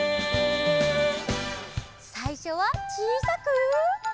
さいしょはちいさく。